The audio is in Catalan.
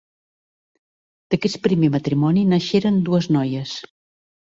D'aquest primer matrimoni naixeren dues noies.